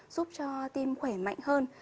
giúp cho tim khỏe mạnh hơn